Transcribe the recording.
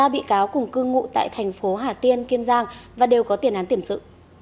ba bị cáo cùng cư ngụ tại thành phố hà tiên kiên giang và đều có tiền án tiền sự